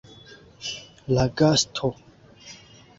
La gasto.